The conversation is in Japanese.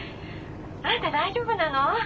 あんた大丈夫なの？